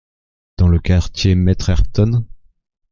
dans le quartier-maître Ayrton ?